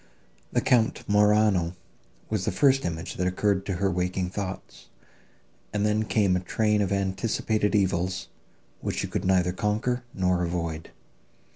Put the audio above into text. The Count Morano was the first image that occurred to her waking thoughts, and then came a train of anticipated evils, which she could neither conquer, nor avoid.